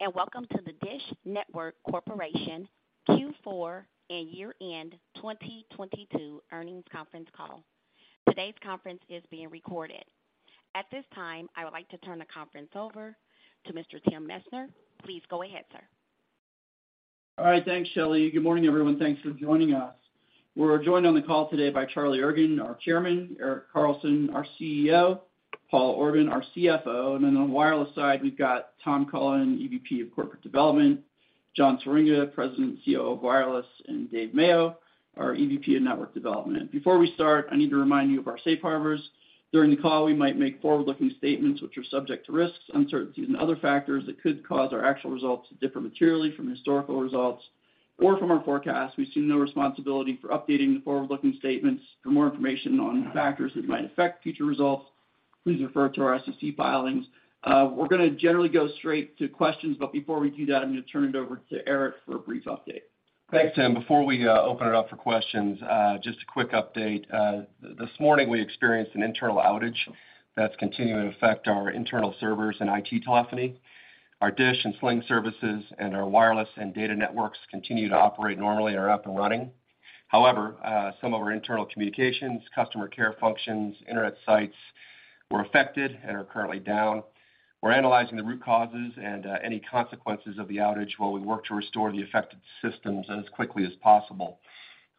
Good day, and welcome to the DISH Network Corporation Q4 and year-end 2022 earnings conference call. Today's conference is being recorded. At this time, I would like to turn the conference over to Mr. Tim Messner. Please go ahead, sir. All right. Thanks, Shelly. Good morning, everyone. Thanks for joining us. We're joined on the call today by Charlie Ergen, our Chairman, Erik Carlson, our CEO, Paul Orban, our CFO. On the wireless side, we've got Tom Cullen, EVP of Corporate Development, John Swieringa, President, CEO of Wireless, and Dave Mayo, our EVP of Network Development. Before we start, I need to remind you of our safe harbors. During the call, we might make forward-looking statements which are subject to risks, uncertainties and other factors that could cause our actual results to differ materially from historical results or from our forecasts. We assume no responsibility for updating the forward-looking statements. For more information on factors that might affect future results, please refer to our SEC filings. We're gonna generally go straight to questions, but before we do that, I'm gonna turn it over to Erik for a brief update. Thanks, Tim. Before we open it up for questions, just a quick update. This morning we experienced an internal outage that's continuing to affect our internal servers and IT telephony. Our DISH and Sling services and our wireless and data networks continue to operate normally are up and running. However, some of our internal communications, customer care functions, internet sites were affected and are currently down. We're analyzing the root causes and any consequences of the outage while we work to restore the affected systems as quickly as possible.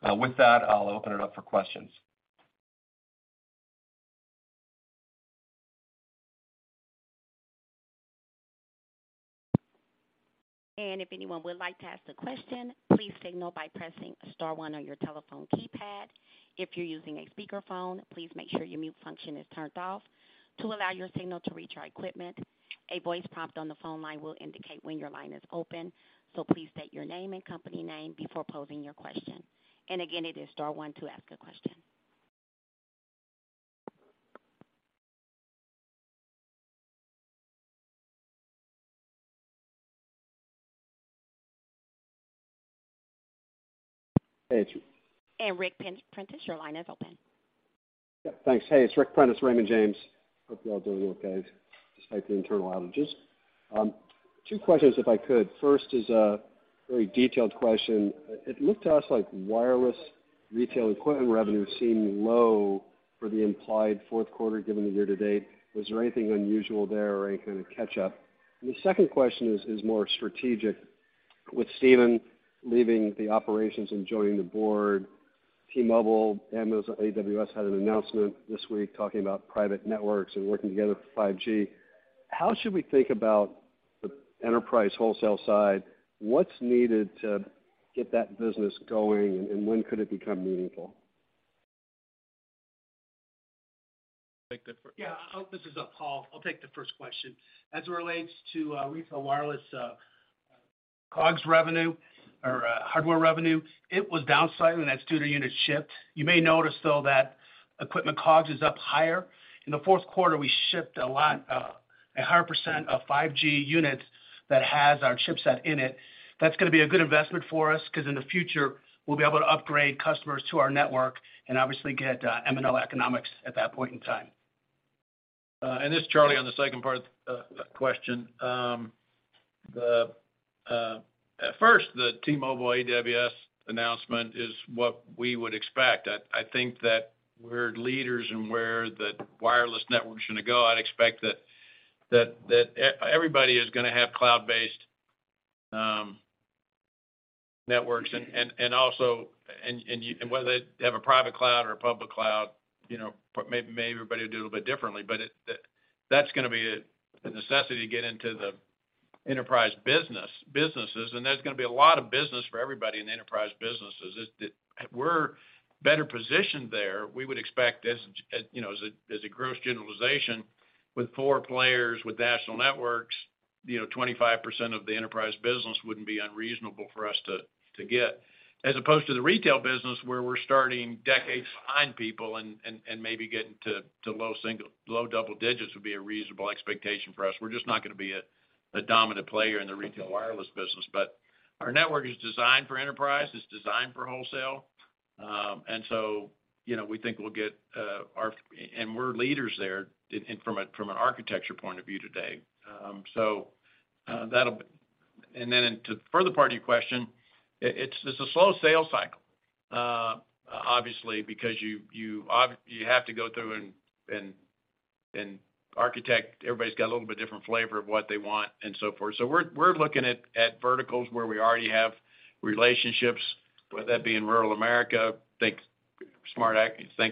With that, I'll open it up for questions. If anyone would like to ask a question, please signal by pressing star one on your telephone keypad. If you're using a speakerphone, please make sure your mute function is turned off to allow your signal to reach our equipment. A voice prompt on the phone line will indicate when your line is open, please state your name and company name before posing your question. Again, it is star one to ask a question. Hey. Ric Prentiss, your line is open. Yeah, thanks. Hey, it's Ric Prentiss, Raymond James. Hope you're all doing okay despite the internal outages. Two questions if I could. First is a very detailed question. It looked to us like wireless retail equipment revenue seemed low for the implied fourth quarter, given the year to date. Was there anything unusual there or any kind of catch up? The second question is more strategic. With Stephen Bye leaving the operations and joining the board, T-Mobile, Amazon, AWS had an announcement this week talking about private networks and working together for 5G. How should we think about the enterprise wholesale side? What's needed to get that business going, and when could it become meaningful? Take that first. Yeah, this is Paul. I'll take the first question. As it relates to retail wireless, cogs revenue or hardware revenue, it was down slightly and that's due to units shipped. You may notice, though, that equipment cogs is up higher. In the fourth quarter, we shipped a lot, a higher percent of 5G units that has our chipset in it. That's gonna be a good investment for us because in the future we'll be able to upgrade customers to our network and obviously get O&O economics at that point in time. This is Charlie on the second part question. At first, the T-Mobile AWS announcement is what we would expect. I think that we're leaders in where the wireless network's gonna go. I'd expect that everybody is gonna have cloud-based networks and also whether they have a private cloud or a public cloud, you know, maybe everybody will do it a little bit differently, but that's gonna be a necessity to get into the enterprise business, businesses. There's gonna be a lot of business for everybody in the enterprise businesses. If we're better positioned there, we would expect as, you know, as a gross generalization with four players with national networks, you know, 25% of the enterprise business wouldn't be unreasonable for us to get. As opposed to the retail business where we're starting decades behind people and maybe getting to low double digits would be a reasonable expectation for us. We're just not gonna be a dominant player in the retail wireless business. Our network is designed for enterprise, it's designed for wholesale. So, you know, we think we'll get. We're leaders there from an architecture point of view today. Then to the further part of your question, it's a slow sales cycle, obviously because you have to go through and architect. Everybody's got a little bit different flavor of what they want and so forth. We're, we're looking at verticals where we already have relationships, whether that be in rural America, think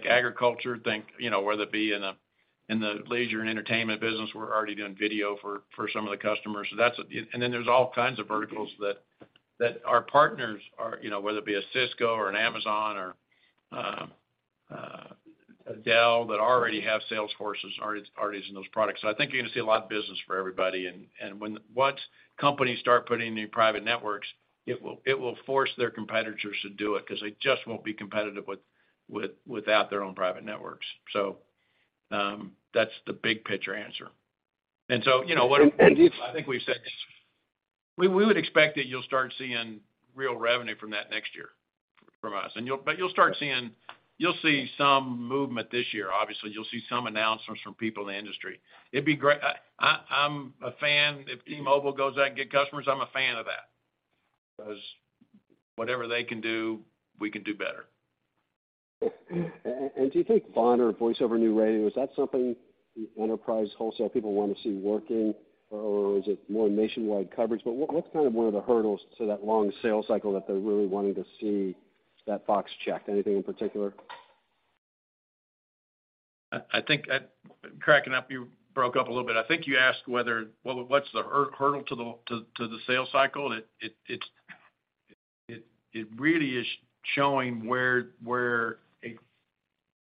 agriculture, think, you know, whether it be in the, in the leisure and entertainment business. We're already doing video for some of the customers. That's a. Then there's all kinds of verticals that our partners are, you know, whether it be a Cisco or an Amazon or a Dell, that already have sales forces, already parties in those products. I think you're gonna see a lot of business for everybody. Once companies start putting in private networks, it will, it will force their competitors to do it because they just won't be competitive without their own private networks. That's the big picture answer. you know, I think we would expect that you'll start seeing real revenue from that next year from us. You'll see some movement this year. Obviously, you'll see some announcements from people in the industry. It'd be great. I'm a fan. If T-Mobile goes out and get customers, I'm a fan of that. 'Cause whatever they can do, we can do better. Do you think VoNR, Voice over New Radio, is that something enterprise wholesale people wanna see working or is it more nationwide coverage? What's kind of one of the hurdles to that long sales cycle that they're really wanting to see that box checked? Anything in particular? I think at... Cracking up, you broke up a little bit. I think you asked whether what's the hurdle to the sales cycle? It really is showing where a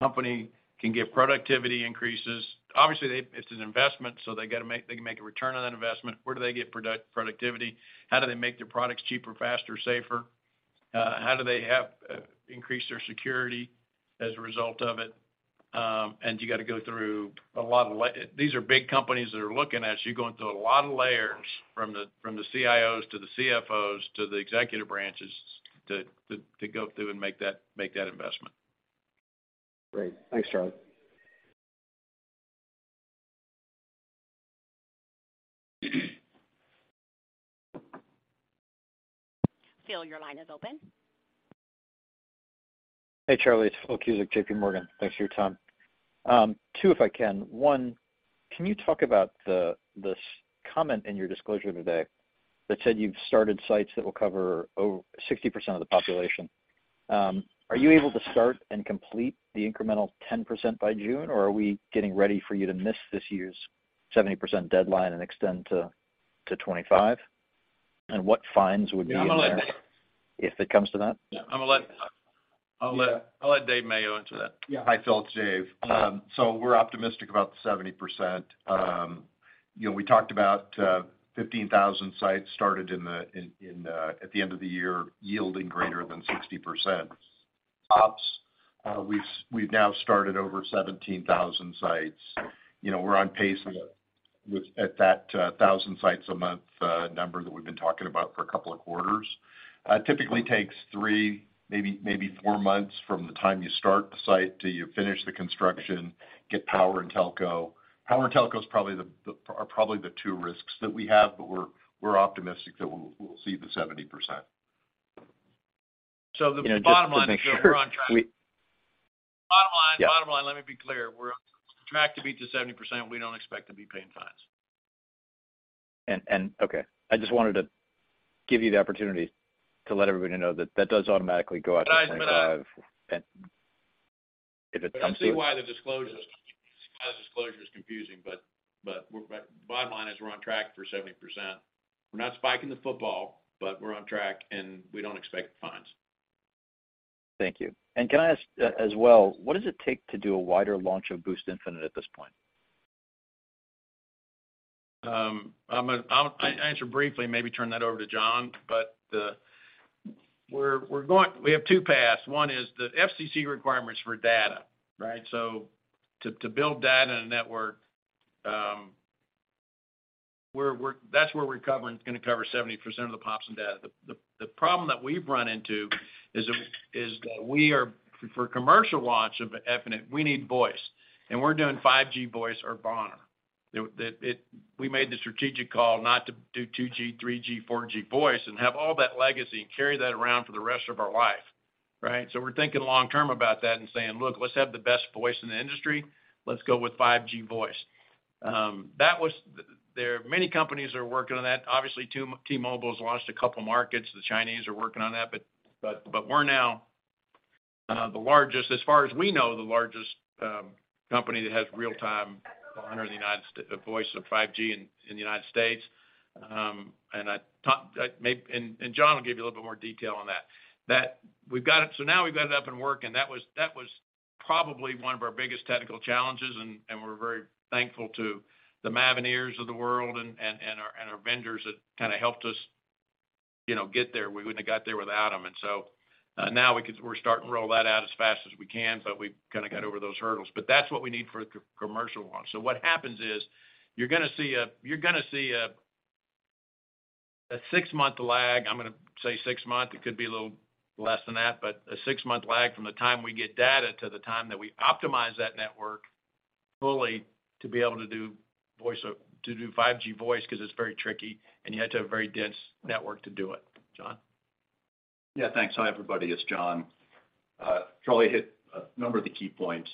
company can get productivity increases. Obviously, it's an investment, so they gotta make a return on that investment. Where do they get productivity? How do they make their products cheaper, faster, safer? How do they have increase their security as a result of it? You gotta go through a lot of These are big companies that are looking at you going through a lot of layers from the CIOs to the CFOs to the executive branches to go through and make that investment. Great. Thanks, Charlie. Phil, your line is open. Hey, Charlie, it's Phil Cusick, J.P. Morgan. Thanks for your time. Two, if I can. One, can you talk about the s-comment in your disclosure today that said you've started sites that will cover over 60% of the population? Are you able to start and complete the incremental 10% by June, or are we getting ready for you to miss this year's 70% deadline and extend to 2025? What fines would be in there. Yeah, I'm gonna. if it comes to that? Yeah, I'm gonna let I'll let Dave Mayo answer that. Yeah. Hi, Phil, it's Dave. We're optimistic about the 70%. You know, we talked about 15,000 sites started at the end of the year, yielding greater than 60%. Ops, we've now started over 17,000 sites. You know, we're on pace with that 1,000 sites a month number that we've been talking about for a couple of quarters. It typically takes three, maybe four months from the time you start the site till you finish the construction, get power and telco. Power and telco are probably the two risks that we have, but we're optimistic that we'll see the 70%. The bottom line. You know, just to make sure. We're on track. Yeah. Bottom line, let me be clear. We're on track to beat the 70%. We don't expect to be paying fines. Okay. I just wanted to give you the opportunity to let everybody know that does automatically go out to 25- Guys, but. If it comes to it. I see why the disclosure is confusing, but bottom line is we're on track for 70%. We're not spiking the football, but we're on track, and we don't expect fines. Thank you. Can I ask as well, what does it take to do a wider launch of Boost Infinite at this point? I'll answer briefly, maybe turn that over to John. We have two paths. One is the FCC requirements for data, right? To build data in a network, that's where we're gonna cover 70% of the pops in data. The problem that we've run into is that we are for commercial launch of Infinite, we need voice, and we're doing 5G voice or VoNR. We made the strategic call not to do 2G, 3G, 4G voice and have all that legacy and carry that around for the rest of our life, right? We're thinking long term about that and saying, "Look, let's have the best voice in the industry. Let's go with 5G voice. Many companies are working on that. Obviously, T-Mobile's launched a couple markets. The Chinese are working on that, but we're now the largest, as far as we know, the largest company that has real-time VoNR in the United States, voice of 5G in the United States. John will give you a little bit more detail on that. Now we've got it up and working. That was probably one of our biggest technical challenges, and we're very thankful to the Mavenir of the world and our vendors that kind of helped us, you know, get there. We wouldn't have got there without them. Now we're starting to roll that out as fast as we can, but we've kind of got over those hurdles. That's what we need for a commercial launch. What happens is you're gonna see a six month lag, I'm gonna say six months, it could be a little less than that, but a six month lag from the time we get data to the time that we optimize that network fully to be able to do voice or to do 5G voice because it's very tricky, and you have to have a very dense network to do it. John? Yeah, thanks. Hi, everybody. It's John. Charlie hit a number of the key points.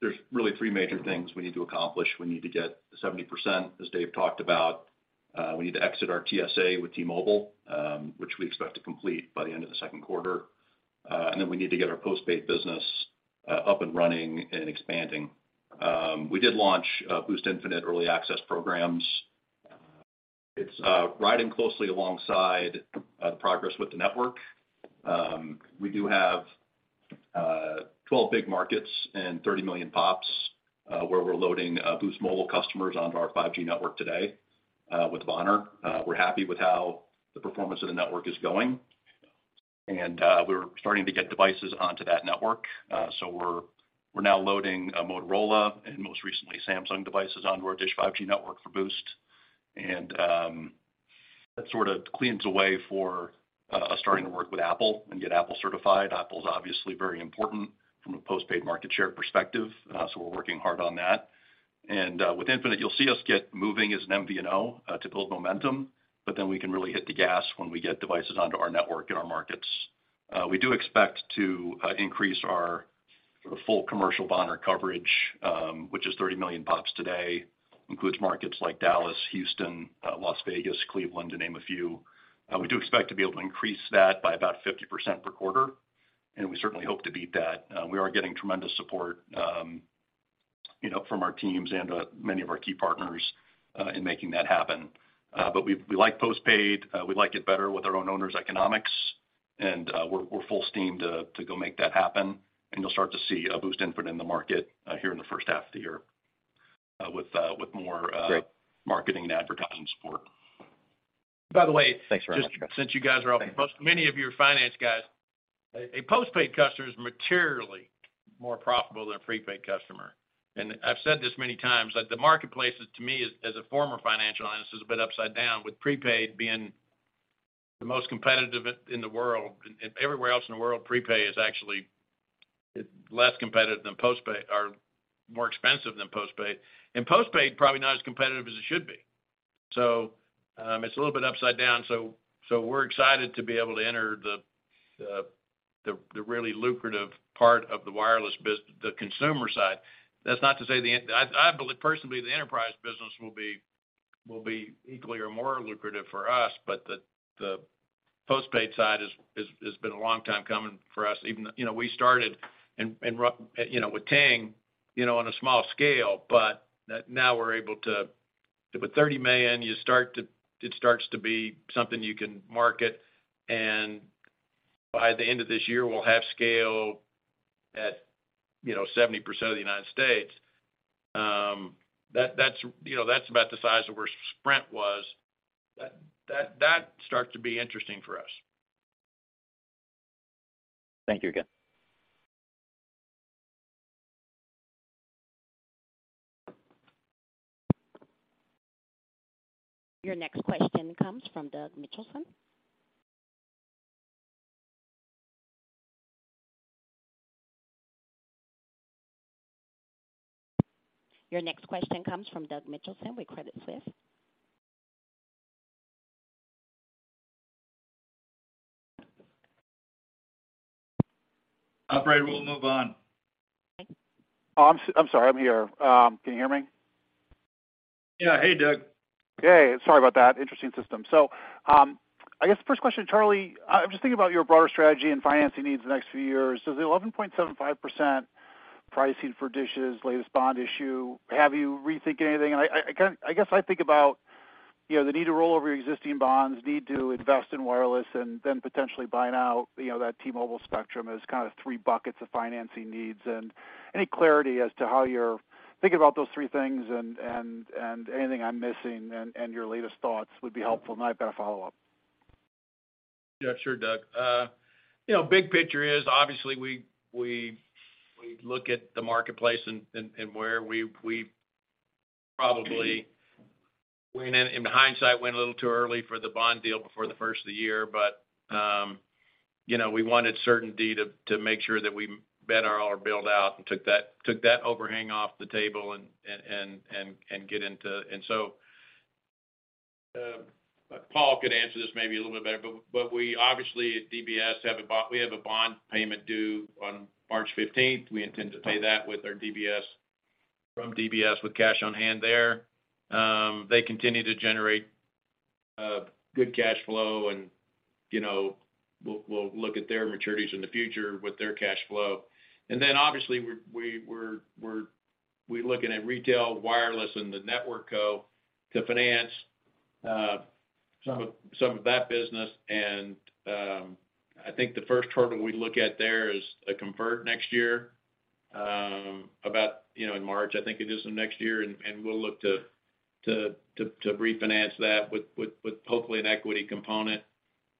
There's really three major things we need to accomplish. We need to get the 70%, as Dave talked about. We need to exit our TSA with T-Mobile, which we expect to complete by the end of the second quarter. Then we need to get our post-paid business up and running and expanding. We did launch Boost Infinite early access programs. It's riding closely alongside the progress with the network. We do have 12 big markets and 30 million pops where we're loading Boost Mobile customers onto our 5G network today, with VoNR. We're happy with how the performance of the network is going. We're starting to get devices onto that network. We're now loading a Motorola, and most recently, Samsung devices onto our DISH 5G network for Boost. That sort of cleans the way for us starting to work with Apple and get Apple certified. Apple's obviously very important from a postpaid market share perspective, we're working hard on that. With Infinite, you'll see us get moving as an MVNO to build momentum, then we can really hit the gas when we get devices onto our network in our markets. We do expect to increase our sort of full commercial VoNR coverage, which is 30 million pops today, includes markets like Dallas, Houston, Las Vegas, Cleveland, to name a few. We do expect to be able to increase that by about 50% per quarter, and we certainly hope to beat that. We are getting tremendous support, you know, from our teams and many of our key partners in making that happen. But we like postpaid. We like it better with our own owners' economics, and we're full steam to go make that happen. You'll start to see a Boost Infinite in the market here in the first half of the year with more... Great... marketing and advertising support. By the way. Thanks very much, guys.... just since you guys are all from Boost, many of you are finance guys. A postpaid customer is materially more profitable than a prepaid customer. I've said this many times, like, the marketplace is to me as a former financial analyst, is a bit upside down, with prepaid being the most competitive in the world. Everywhere else in the world, prepaid is actually less competitive than postpaid or more expensive than postpaid. Postpaid, probably not as competitive as it should be. It's a little bit upside down. We're excited to be able to enter the really lucrative part of the wireless business, the consumer side. That's not to say, I believe personally, the enterprise business will be equally or more lucrative for us. The, the postpaid side has been a long time coming for us. Even, you know, we started in, you know, with Ting, you know, on a small scale, but now we're able to with 30 million, you start to it starts to be something you can market. By the end of this year, we'll have scale at, you know, 70% of the United States. That's, you know, that's about the size of where Sprint was. That starts to be interesting for us. Thank you again. Your next question comes from Doug Mitchelson with Credit Suisse. Operator, we'll move on. Okay. I'm sorry, I'm here. Can you hear me? Yeah. Hey, Doug. Hey, sorry about that. Interesting system. I guess first question, Charlie, I'm just thinking about your broader strategy and financing needs the next few years. Does the 11.75% pricing for DISH's latest bond issue have you rethinking anything? I guess I think about, you know, the need to roll over your existing bonds, need to invest in wireless, and then potentially buy now, you know, that T-Mobile spectrum as kind of three buckets of financing needs. Any clarity as to how you're thinking about those three things and anything I'm missing and your latest thoughts would be helpful. I've got a follow-up. Yeah, sure, Doug. You know, big picture is obviously we look at the marketplace and where we probably in hindsight, went a little too early for the bond deal before the first of the year. You know, we wanted certainty to make sure that we bet our all build out and took that overhang off the table and get into. Paul could answer this maybe a little bit better. We obviously at DBS have a bond payment due on March 15th. We intend to pay that with our DBS, from DBS with cash on hand there. They continue to generate good cash flow and, you know, we'll look at their maturities in the future with their cash flow. Obviously we're looking at retail, wireless and the Network Co. to finance some of that business. I think the first hurdle we look at there is a convert next year, about, you know, in March, I think it is of next year, and we'll look to refinance that with hopefully an equity component.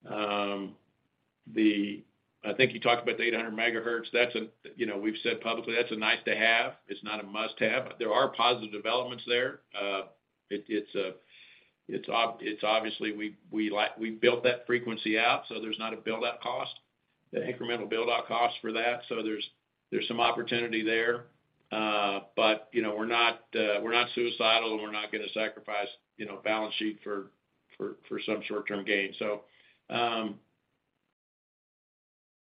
I think you talked about the 800 megahertz. That's, you know, we've said publicly that's a nice to have. It's not a must-have. There are positive developments there. It's obviously we built that frequency out, so there's not a build-out cost, the incremental build-out cost for that. There's some opportunity there. You know, we're not, we're not suicidal and we're not gonna sacrifice, you know, balance sheet for some short-term gain.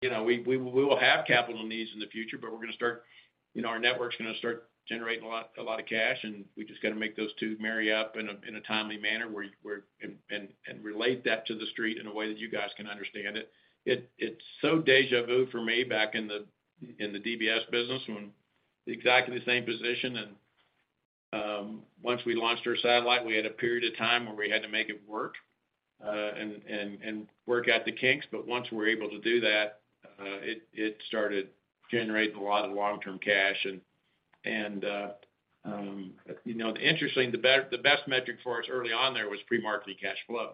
You know, we will have capital needs in the future, but, you know, our network's gonna start generating a lot of cash, and we just got to make those two marry up in a timely manner where, and relate that to the street in a way that you guys can understand it. It's so deja vu for me back in the DBS business when exactly the same position. Once we launched our satellite, we had a period of time where we had to make it work, and work out the kinks. Once we're able to do that. It started generating a lot of long-term cash and, you know, interesting, the best metric for us early on there was pre-marketing cash flow.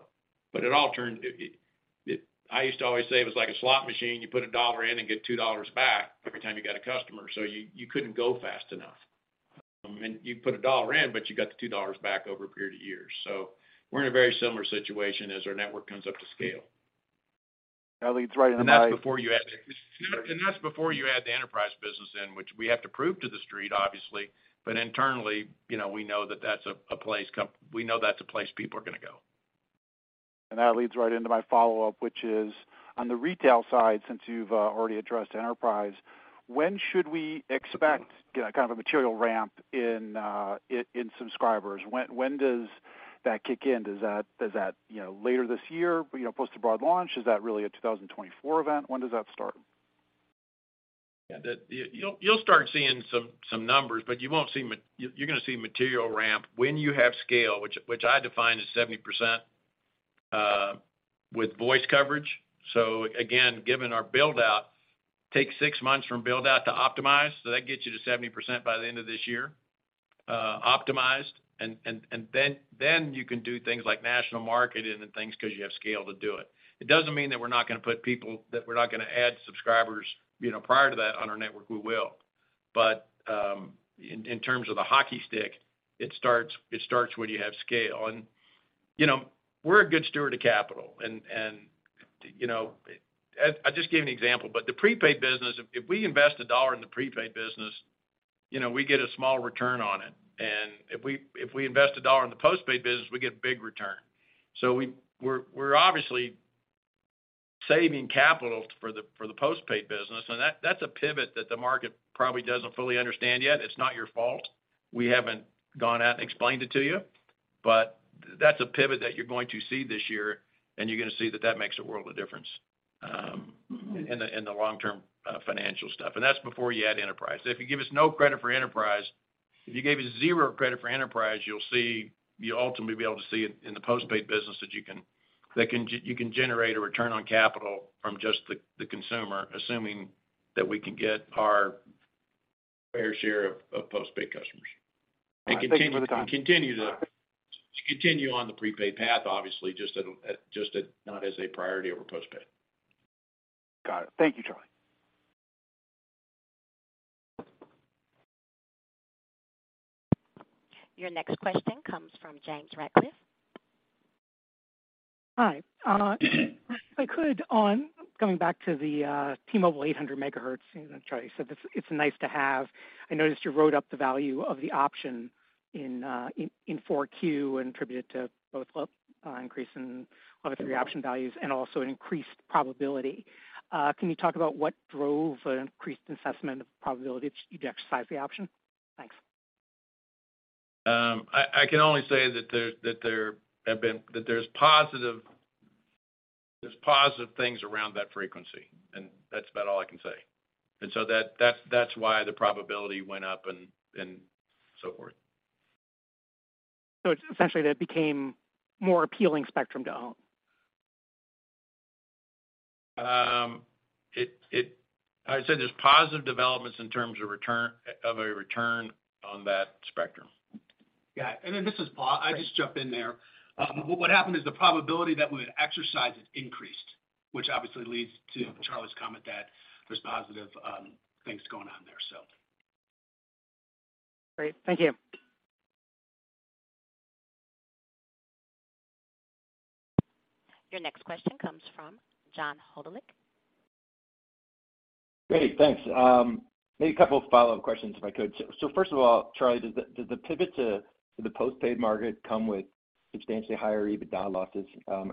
It all turned, I used to always say it was like a slot machine. You put $1 in and get $2 back every time you got a customer, so you couldn't go fast enough. You put $1 in, but you got the $2 back over a period of years. We're in a very similar situation as our network comes up to scale. That leads right into my- That's before you add the enterprise business in, which we have to prove to The Street, obviously. Internally, you know, we know that's a place people are gonna go. That leads right into my follow-up, which is on the retail side, since you've already addressed enterprise, when should we expect kind of a material ramp in subscribers? When does that kick in? Does that, you know, later this year, you know, post the broad launch? Is that really a 2024 event? When does that start? You'll start seeing some numbers, but you won't see you're gonna see material ramp when you have scale, which I define as 70% with voice coverage. Again, given our build-out, takes six months from build-out to optimize, so that gets you to 70% by the end of this year optimized. Then you can do things like national marketing and things 'cause you have scale to do it. It doesn't mean that we're not gonna add subscribers, you know, prior to that on our network, we will. In terms of the hockey stick, it starts when you have scale. You know, we're a good steward of capital and, you know... I just gave you an example, but the prepaid business, if we invest $1 in the prepaid business, you know, we get a small return on it. If we invest $1 in the postpaid business, we get big return. We're obviously saving capital for the postpaid business, and that's a pivot that the market probably doesn't fully understand yet. It's not your fault. We haven't gone out and explained it to you, but that's a pivot that you're going to see this year, and you're gonna see that that makes a world of difference in the long-term financial stuff. That's before you add enterprise. If you give us no credit for enterprise, if you gave us zero credit for enterprise, you'll ultimately be able to see it in the postpaid business that you can generate a return on capital from just the consumer, assuming that we can get our fair share of postpaid customers. Thank you for the time. Continue to continue on the prepaid path, obviously, just at not as a priority over postpaid. Got it. Thank you, Charlie. Your next question comes from James Ratcliffe. Hi. If I could, on going back to the T-Mobile 800 megahertz. You know, Charlie said it's nice to have. I noticed you wrote up the value of the option in four Q and attributed it to both an increase in other three option values and also an increased probability. Can you talk about what drove an increased assessment of probability to exercise the option? Thanks. I can only say that there's positive things around that frequency, and that's about all I can say. That's why the probability went up and so forth. Essentially that became more appealing spectrum to own. I said there's positive developments in terms of return on that spectrum. This is Paul. I'll just jump in there. What happened is the probability that we would exercise it increased, which obviously leads to Charlie's comment that there's positive things going on there. Great. Thank you. Your next question comes from John Hodulik. Great, thanks. Maybe a couple of follow-up questions, if I could. First of all, Charlie, does the pivot to the postpaid market come with substantially higher EBITDA losses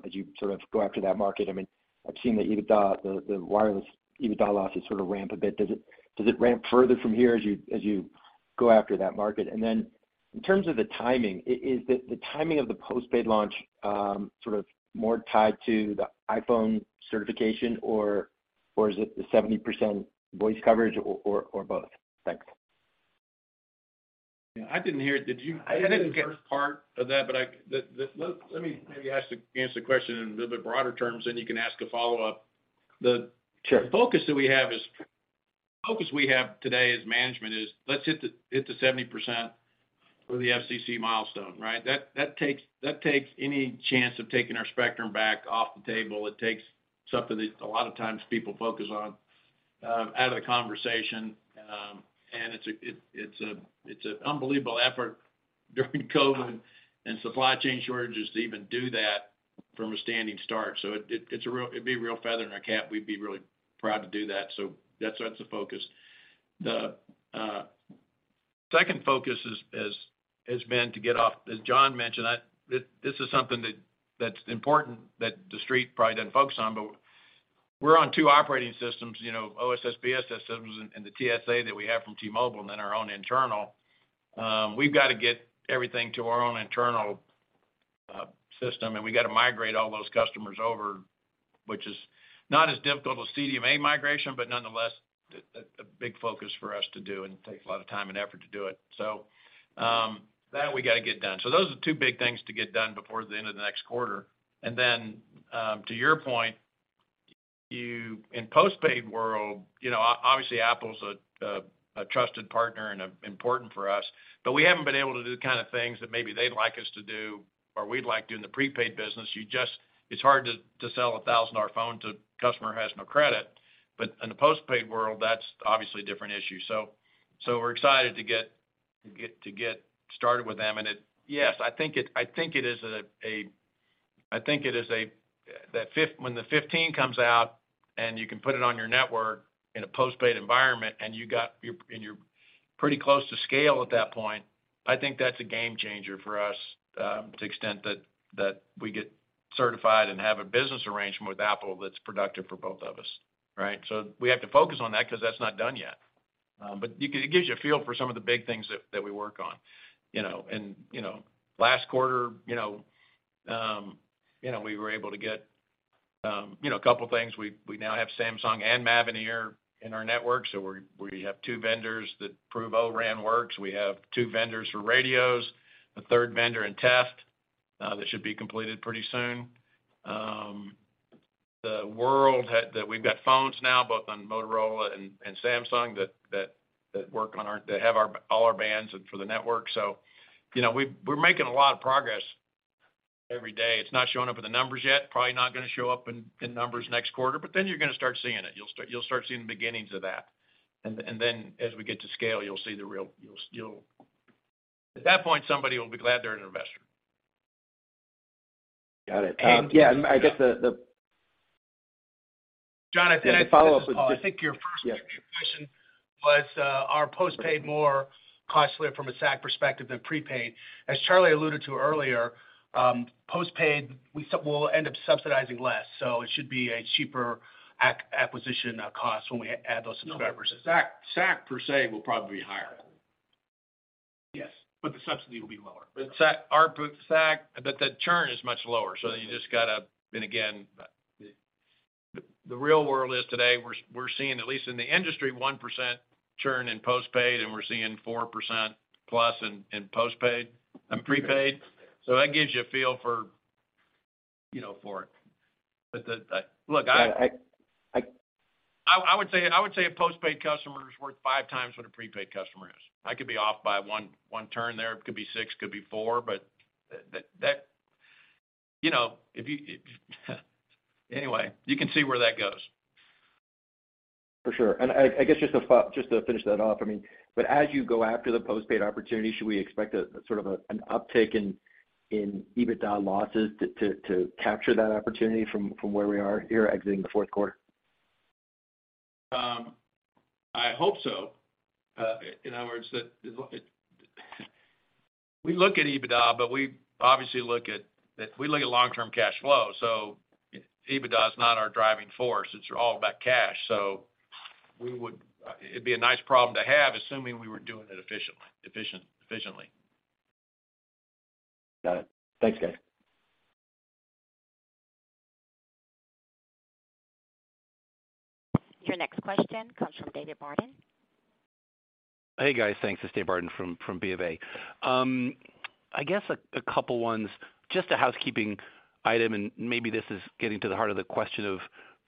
as you sort of go after that market? I mean, I've seen the EBITDA, the wireless EBITDA losses sort of ramp a bit. Does it ramp further from here as you go after that market? In terms of the timing, is the timing of the postpaid launch sort of more tied to the iPhone certification or is it the 70% voice coverage or both? Thanks. Yeah, I didn't hear it. Did you? I didn't get- I didn't get the first part of that, but Let me maybe answer the question in a little bit broader terms, then you can ask a follow-up. Sure. The focus we have today as management is let's hit the 70% for the FCC milestone, right? That takes any chance of taking our spectrum back off the table. It takes something a lot of times people focus on out of the conversation. It's an unbelievable effort during COVID and supply chain shortages to even do that from a standing start. It'd be a real feather in our cap. We'd be really proud to do that. That's, that's the focus. The second focus has been to get off, as John mentioned, this is something that's important that The Street probably doesn't focus on, but we're on two operating systems, you know, OSS/BSS systems and the TSA that we have from T-Mobile and then our own internal. We've got to get everything to our own internal system, and we got to migrate all those customers over, which is not as difficult as CDMA migration, but nonetheless, big focus for us to do, and it takes a lot of time and effort to do it. That we got to get done. Those are two big things to get done before the end of the next quarter. To your point, in postpaid world, you know, obviously, Apple is a trusted partner and important for us, but we haven't been able to do the kind of things that maybe they'd like us to do or we'd like to in the prepaid business. You just... It's hard to sell a $1,000 phone to customer who has no credit. In the postpaid world, that's obviously a different issue. We're excited to get started with them. Yes, I think it is a... I think it is when the 15 comes out and you can put it on your network in a postpaid environment and you're pretty close to scale at that point, I think that's a game changer for us, to extent that we get certified and have a business arrangement with Apple that's productive for both of us, right? We have to focus on that because that's not done yet. It gives you a feel for some of the big things that we work on, you know. Last quarter, you know, we were able to get, you know, a couple of things. We now have Samsung and Mavenir in our network, so we have two vendors that prove O-RAN works. We have two vendors for radios, a third vendor in test, that should be completed pretty soon. The world that we've got phones now, both on Motorola and Samsung that work on our that have all our bands and for the network. You know, we're making a lot of progress every day. It's not showing up in the numbers yet. Probably not gonna show up in numbers next quarter, but then you're gonna start seeing it. You'll start seeing the beginnings of that. Then as we get to scale, you'll see the real... You'll... At that point, somebody will be glad they're an investor. Got it. Yeah, I guess the. John Yeah, the follow-up is. I think your first question was, are postpaid more costly from a SAC perspective than prepaid? As Charlie alluded to earlier, postpaid, we'll end up subsidizing less, so it should be a cheaper acquisition cost when we add those subscribers. No. SAC per se will probably be higher. Yes. The subsidy will be lower. The churn is much lower. Again, the real world is today we're seeing, at least in the industry, 1% churn in postpaid, and we're seeing 4% plus in prepaid. That gives you a feel for, you know, for it. Got it. I would say a postpaid customer is worth five times what a prepaid customer is. I could be off by one turn there. It could be six, could be 4. That... You know, Anyway, you can see where that goes. For sure. I guess just to finish that off, I mean, as you go after the postpaid opportunity, should we expect sort of an uptick in EBITDA losses to capture that opportunity from where we are here exiting the fourth quarter? I hope so. In other words, we look at EBITDA, but we obviously look at long-term cash flow, so EBITDA is not our driving force. It's all about cash. It'd be a nice problem to have, assuming we were doing it efficiently. Got it. Thanks, guys. Your next question comes from David Barden. Hey, guys. Thanks. It's David Barden from BofA. I guess a couple ones. Just a housekeeping item, and maybe this is getting to the heart of the question of,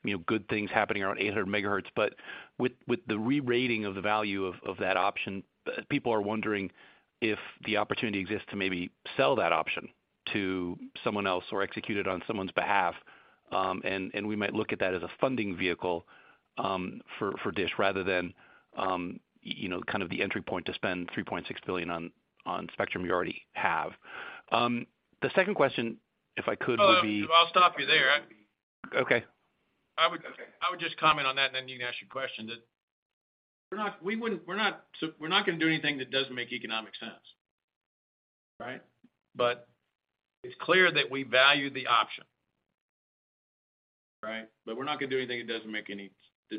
you know, good things happening around 800 megahertz. With the re-rating of the value of that option, people are wondering if the opportunity exists to maybe sell that option to someone else or execute it on someone's behalf. We might look at that as a funding vehicle for DISH rather than, you know, kind of the entry point to spend $3.6 billion on spectrum you already have. The second question, if I could, would be- Well, I'll stop you there. Okay. I would just comment on that, and then you can ask your question. We're not gonna do anything that doesn't make economic sense, right? It's clear that we value the option, right? We're not gonna do anything that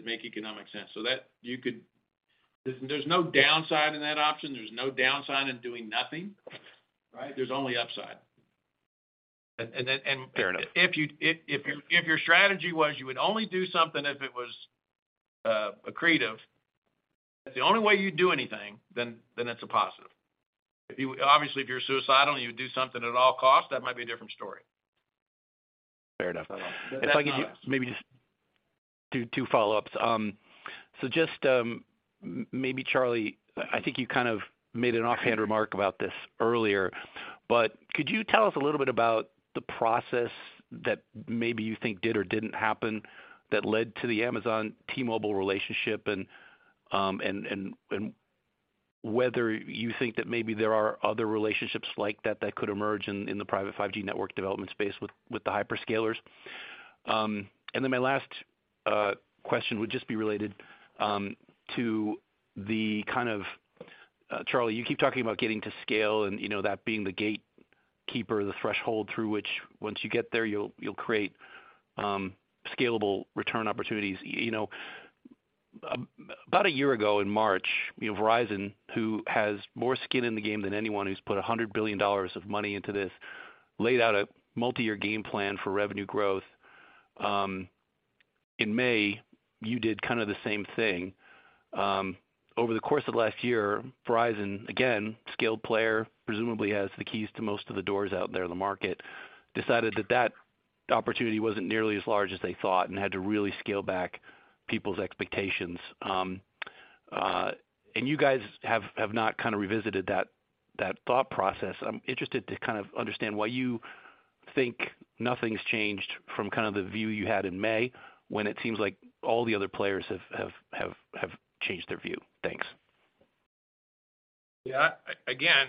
make economic sense. That. There's no downside in that option. There's no downside in doing nothing, right? There's only upside. Fair enough. If your strategy was you would only do something if it was accretive, that's the only way you'd do anything, then it's a positive. Obviously, if you're suicidal and you would do something at all costs, that might be a different story. Fair enough. That's not us. If I could maybe just do two follow-ups. Charlie, I think you kind of made an offhand remark about this earlier, but could you tell us a little bit about the process that maybe you think did or didn't happen that led to the Amazon T-Mobile relationship, and whether you think that maybe there are other relationships like that that could emerge in the private 5G network development space with the hyperscalers? My last question would just be related to the kind of Charlie, you keep talking about getting to scale and, you know, that being the gatekeeper, the threshold through which once you get there, you'll create scalable return opportunities. You know, about a year ago in March, you know, Verizon, who has more skin in the game than anyone, who's put $100 billion of money into this, laid out a multi-year game plan for revenue growth. In May, you did kind of the same thing. Over the course of last year, Verizon, again, skilled player, presumably has the keys to most of the doors out there in the market, decided that opportunity wasn't nearly as large as they thought and had to really scale back people's expectations. You guys have not kind of revisited that thought process. I'm interested to kind of understand why you think nothing's changed from kind of the view you had in May when it seems like all the other players have changed their view. Thanks. Yeah. Again,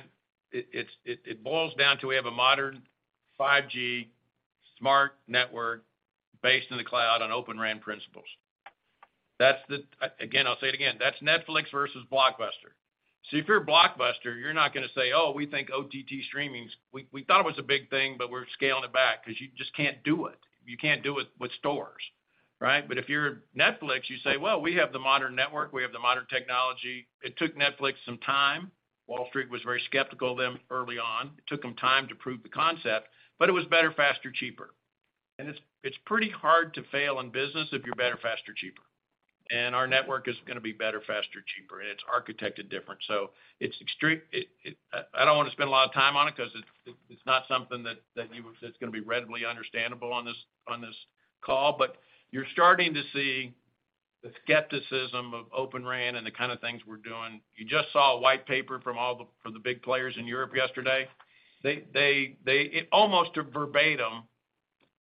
it boils down to we have a modern 5G smart network based in the cloud on Open RAN principles. Again, I'll say it again, that's Netflix versus Blockbuster. See, if you're Blockbuster, you're not gonna say, "Oh, we think OTT we thought it was a big thing, but we're scaling it back," 'cause you just can't do it. You can't do it with stores, right? If you're Netflix, you say, "Well, we have the modern network. We have the modern technology." It took Netflix some time. Wall Street was very skeptical of them early on. It took them time to prove the concept, but it was better, faster, cheaper. It's pretty hard to fail in business if you're better, faster, cheaper. Our network is gonna be better, faster, cheaper, and it's architected different. I don't wanna spend a lot of time on it 'cause it's not something that's gonna be readily understandable on this call. You're starting to see the skepticism of Open RAN and the kind of things we're doing. You just saw a white paper from the big players in Europe yesterday. They almost verbatim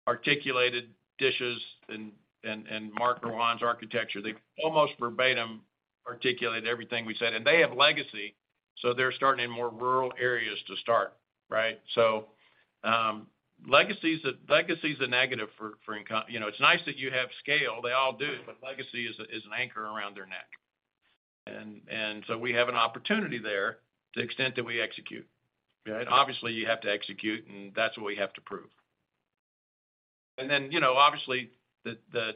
articulated DISH's and Marc Rouanne's architecture. They almost verbatim articulate everything we said. They have legacy, so they're starting in more rural areas to start, right? Legacy's a negative for You know, it's nice that you have scale, they all do, but legacy is an anchor around their neck. We have an opportunity there to the extent that we execute, right? Obviously, you have to execute, that's what we have to prove. You know, obviously, the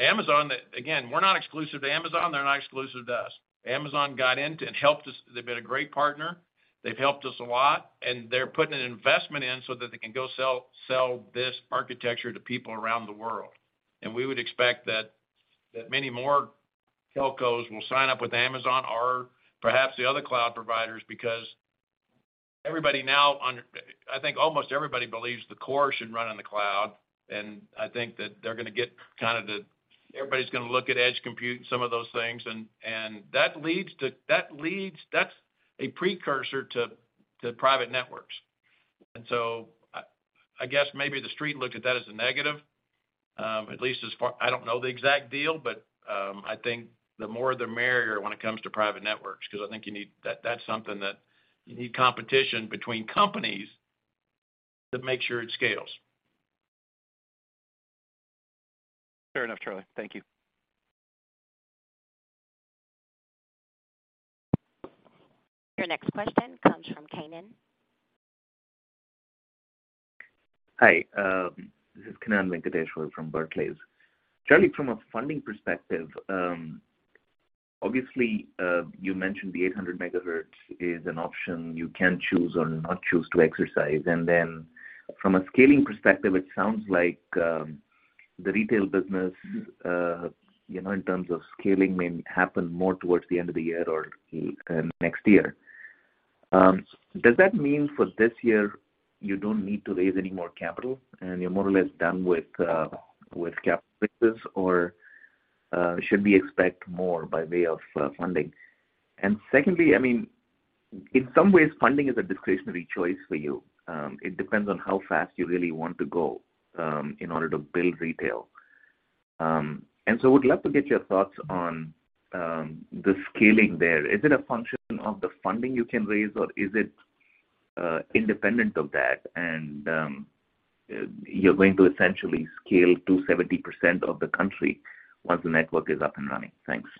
Amazon, again, we're not exclusive to Amazon, they're not exclusive to us. Amazon got in to and helped us. They've been a great partner. They've helped us a lot, and they're putting an investment in so that they can go sell this architecture to people around the world. We would expect that many more telcos will sign up with Amazon or perhaps the other cloud providers because everybody now I think almost everybody believes the core should run on the cloud, and I think that they're gonna get kind of Everybody's gonna look at edge compute and some of those things and that's a precursor to private networks. I guess maybe the Street looked at that as a negative. I don't know the exact deal, but I think the more the merrier when it comes to private networks, 'cause I think That's something that you need competition between companies to make sure it scales. Fair enough, Charlie. Thank you. Your next question comes from Kannan. Hi, this is Kannan Venkateshwar from Barclays. Charlie, from a funding perspective, obviously, you mentioned the 800 megahertz is an option you can choose or not choose to exercise. From a scaling perspective, it sounds like, the retail business, you know, in terms of scaling may happen more towards the end of the year or next year. Does that mean for this year you don't need to raise any more capital and you're more or less done with capital raises, or should we expect more by way of, funding? Secondly, I mean, in some ways, funding is a discretionary choice for you. It depends on how fast you really want to go, in order to build retail. Would love to get your thoughts on, the scaling there. Is it a function of the funding you can raise, or is it independent of that and you're going to essentially scale to 70% of the country once the network is up and running? Thanks.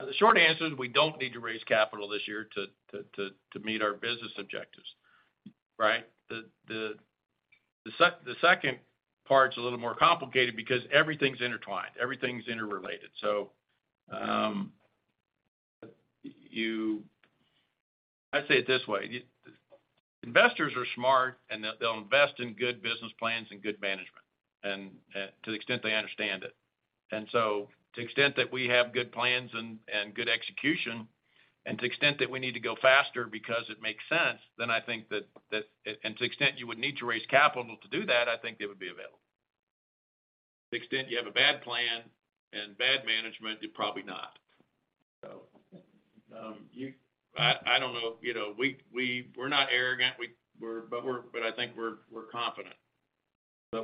The short answer is we don't need to raise capital this year to meet our business objectives, right? The second part's a little more complicated because everything's intertwined, everything's interrelated. I say it this way, investors are smart, and they'll invest in good business plans and good management and to the extent they understand it. To the extent that we have good plans and good execution, and to the extent that we need to go faster because it makes sense, then I think that. To the extent you would need to raise capital to do that, I think it would be available. To the extent you have a bad plan and bad management, you're probably not. I don't know. You know, we're not arrogant. I think we're confident.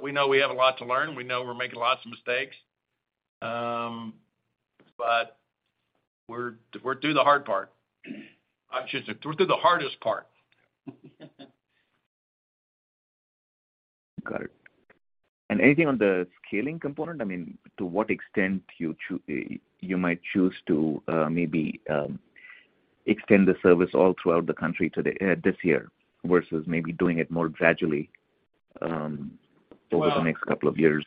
We know we have a lot to learn. We know we're making lots of mistakes. We're, we're through the hard part. I should say, we're through the hardest part. Got it. Anything on the scaling component? I mean, to what extent you might choose to, maybe, extend the service all throughout the country to this year versus maybe doing it more gradually, over the next 2 years?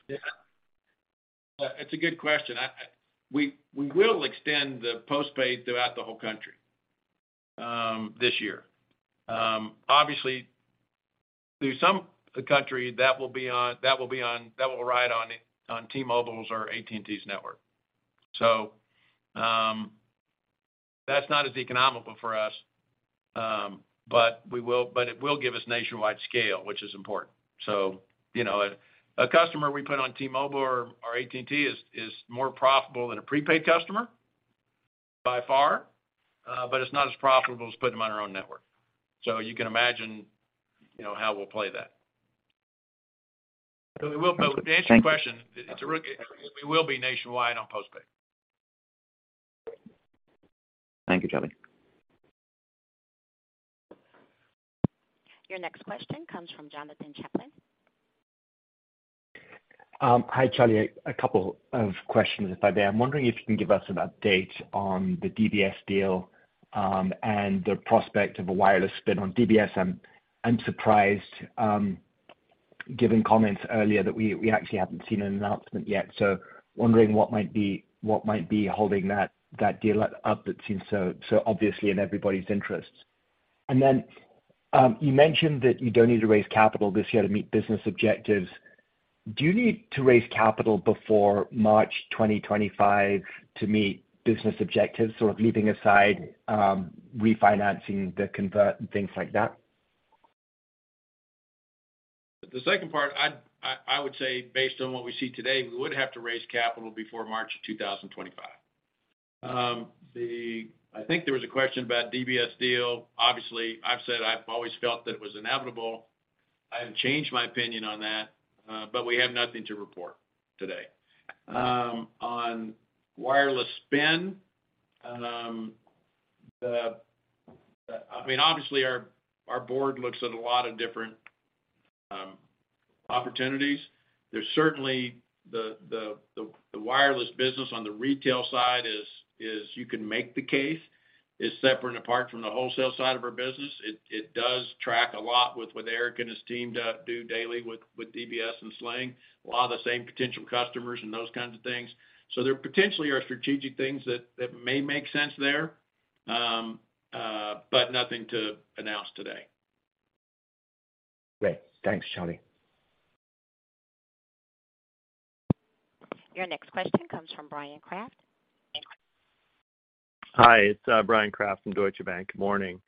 It's a good question. We will extend the postpaid throughout the whole country this year. Obviously, through some country that will ride on T-Mobile's or AT&T's network. That's not as economical for us, but it will give us nationwide scale, which is important. You know, a customer we put on T-Mobile or AT&T is more profitable than a prepaid customer by far, but it's not as profitable as putting them on our own network. You can imagine, you know, how we'll play that. Thank you. To answer your question, We will be nationwide on postpaid. Thank you, Charlie. Your next question comes from Jonathan Chaplin. Hi, Charlie. A couple of questions, if I may. I'm wondering if you can give us an update on the DBS deal and the prospect of a wireless spin on DBS. I'm surprised, given comments earlier that we actually haven't seen an announcement yet, so wondering what might be holding that deal up that seems so obviously in everybody's interests. You mentioned that you don't need to raise capital this year to meet business objectives. Do you need to raise capital before March 2025 to meet business objectives, sort of leaving aside refinancing the convert and things like that? The second part, I would say based on what we see today, we would have to raise capital before March 2025. I think there was a question about DBS deal. Obviously, I've said I've always felt that it was inevitable. I haven't changed my opinion on that, but we have nothing to report today. On wireless spin, I mean, obviously, our board looks at a lot of different opportunities. There's certainly the wireless business on the retail side is you can make the case, is separate apart from the wholesale side of our business. It does track a lot with what Erik and his team do daily with DBS and Sling. A lot of the same potential customers and those kinds of things. There potentially are strategic things that may make sense there, but nothing to announce today. Great. Thanks, Charlie. Your next question comes from Bryan Kraft. Hi, it's Bryan Kraft from Deutsche Bank. Good morning.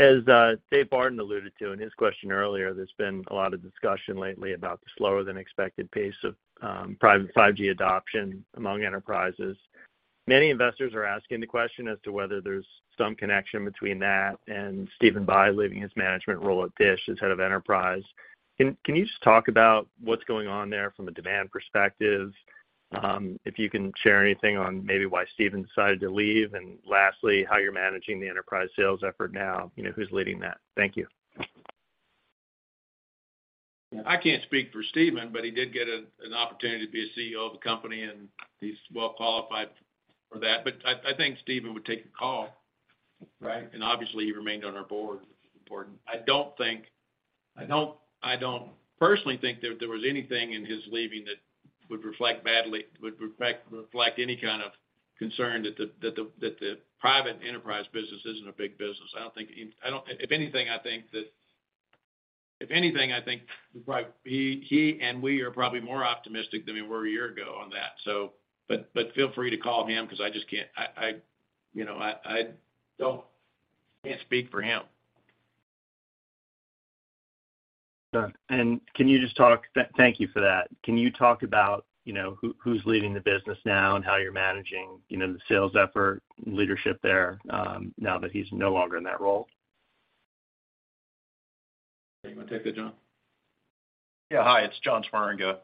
As David Barden alluded to in his question earlier, there's been a lot of discussion lately about the slower than expected pace of private 5G adoption among enterprises. Many investors are asking the question as to whether there's some connection between that and Stephen Bye leaving his management role at DISH as head of enterprise. Can you just talk about what's going on there from a demand perspective? If you can share anything on maybe why Stephen decided to leave, and lastly, how you're managing the enterprise sales effort now, you know, who's leading that? Thank you. I can't speak for Stephen, but he did get an opportunity to be a CEO of a company, and he's well qualified for that. I think Stephen would take a call, right? Obviously he remained on our board, which is important. I don't personally think that there was anything in his leaving that would reflect badly, would reflect any kind of concern that the private enterprise business isn't a big business. If anything, I think he and we are probably more optimistic than we were a year ago on that. Feel free to call him because I just can't, you know, I can't speak for him. Thank you for that. Can you talk about, you know, who's leading the business now and how you're managing, you know, the sales effort leadership there, now that he's no longer in that role? You wanna take that, John? Hi, it's John Swieringa.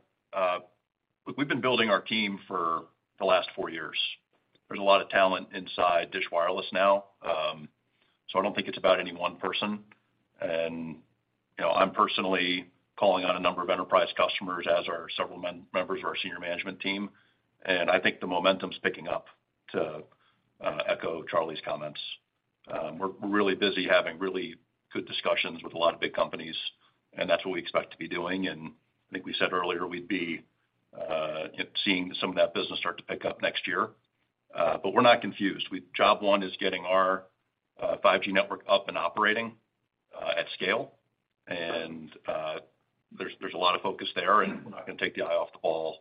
Look, we've been building our team for the last four years. There's a lot of talent inside DISH Wireless now. I don't think it's about any one person. You know, I'm personally calling on a number of enterprise customers as are several members of our senior management team, and I think the momentum's picking up, to echo Charlie's comments. We're really busy having really good discussions with a lot of big companies, and that's what we expect to be doing, and I think we said earlier we'd be seeing some of that business start to pick up next year. We're not confused. Job one is getting our 5G network up and operating at scale. There's a lot of focus there, and we're not gonna take the eye off the ball,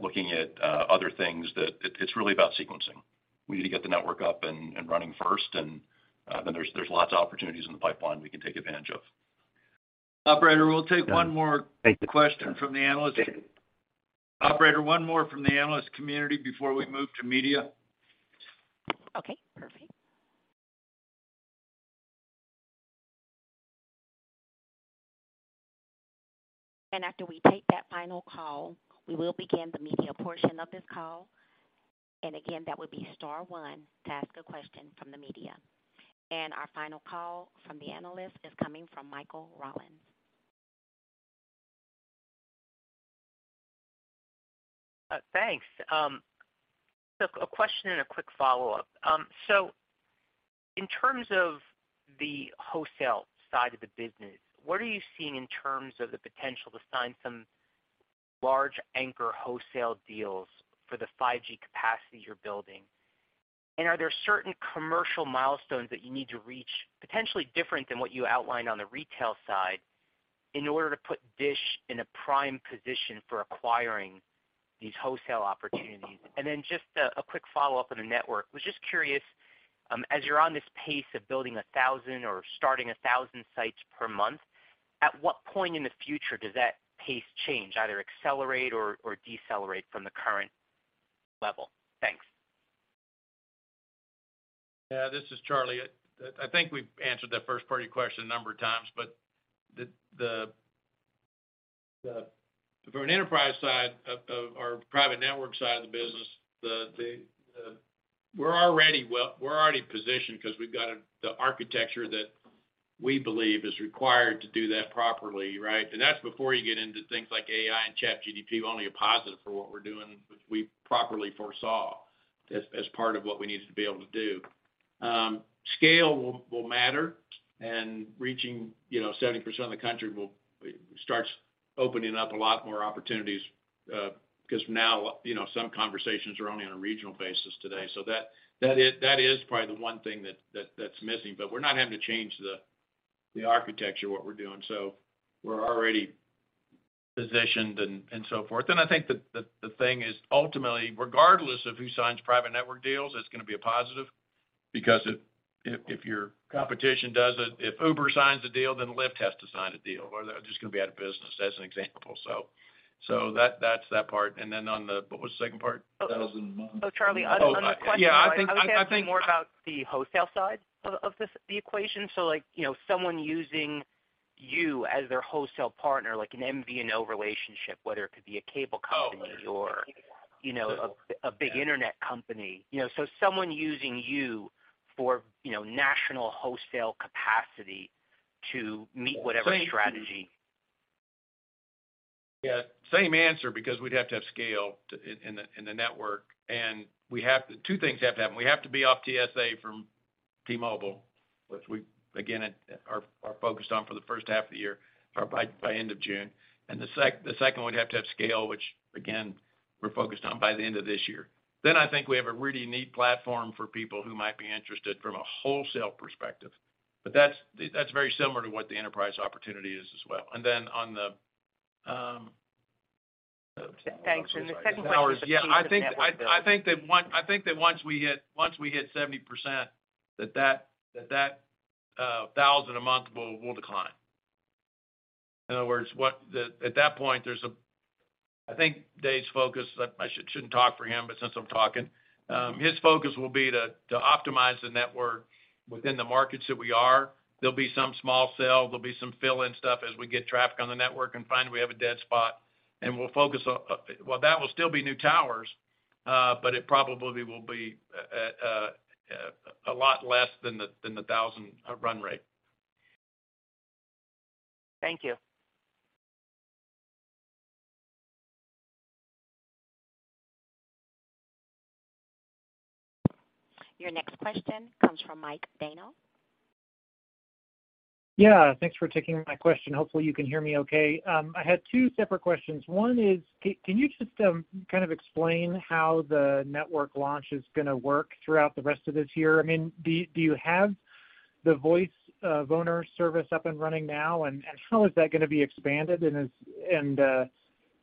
looking at other things that it's really about sequencing. We need to get the network up and running first, there's lots of opportunities in the pipeline we can take advantage of. Operator, we'll take one more question from the analyst. Operator, one more from the analyst community before we move to media. Okay, perfect. After we take that final call, we will begin the media portion of this call. Again, that would be star one to ask a question from the media. Our final call from the analyst is coming from Michael Rollins. Thanks. A question and a quick follow-up. In terms of the wholesale side of the business, what are you seeing in terms of the potential to sign some large anchor wholesale deals for the 5G capacity you're building? Are there certain commercial milestones that you need to reach, potentially different than what you outlined on the retail side, in order to put DISH in a prime position for acquiring these wholesale opportunities? Just a quick follow-up on the network. Was just curious, as you're on this pace of building 1,000 or starting 1,000 sites per month, at what point in the future does that pace change, either accelerate or decelerate from the current level? Thanks. Yeah, this is Charlie. I think we've answered that first part of your question a number of times. The From an enterprise side of our private network side of the business, the we're already positioned because we've got the architecture that we believe is required to do that properly, right? That's before you get into things like AI and ChatGPT, only a positive for what we're doing, which we properly foresaw as part of what we needed to be able to do. Scale will matter and reaching, you know, 70% of the country starts opening up a lot more opportunities because now, you know, some conversations are only on a regional basis today. That is probably the one thing that's missing. We're not having to change the architecture of what we're doing. We're already positioned and so forth. I think that the thing is ultimately, regardless of who signs private network deals, it's going to be a positive because if your competition does it, if Uber signs a deal, then Lyft has to sign a deal or they're just going to be out of business as an example. That's that part. Then on the... What was the second part? So Charlie- Oh, yeah, I think. I was asking more about the wholesale side of this, the equation. Like, you know, someone using you as their wholesale partner, like an MVNO relationship, whether it could be a cable company or, you know, a big internet company. You know, someone using you for, you know, national wholesale capacity to meet whatever strategy. Yeah, same answer because we'd have to have scale in the network. Two things have to happen. We have to be off TSA from T-Mobile, which we again are focused on for the first half of the year or by end of June. The second one, we'd have to have scale, which again, we're focused on by the end of this year. I think we have a really neat platform for people who might be interested from a wholesale perspective. That's very similar to what the enterprise opportunity is as well. On the. Thanks. The second question is- Yeah, I think that once we hit 70%, that $1,000 a month will decline. In other words, at that point, I think Dave's focus, I shouldn't talk for him, but since I'm talking, his focus will be to optimize the network within the markets that we are. There'll be some small sell, there'll be some fill-in stuff as we get traffic on the network and find we have a dead spot, and we'll focus on. Well, that will still be new towers, but it probably will be a lot less than the $1,000 run rate. Thank you. Your next question comes from Michael Rollins. Yeah, thanks for taking my question. Hopefully you can hear me okay. I had two separate questions. One is, can you just kind of explain how the network launch is going to work throughout the rest of this year? I mean, do you have the voice VoNR service up and running now? How is that going to be expanded?